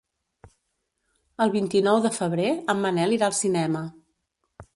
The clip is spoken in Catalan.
El vint-i-nou de febrer en Manel irà al cinema.